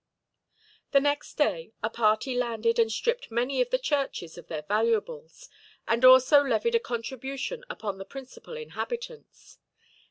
The next day a party landed and stripped many of the churches of their valuables, and also levied a contribution upon the principal inhabitants.